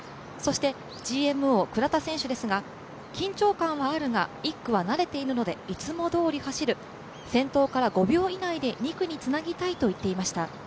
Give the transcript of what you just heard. ＧＭＯの倉田選手ですが、緊張感はあるが１区は慣れているのでいつもどおり走る先頭から５秒以内で、２区につなぎたいといっていました。